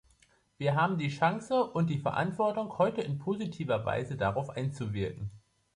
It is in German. Wir haben die Chance und die Verantwortung, heute in positiver Weise darauf einzuwirken.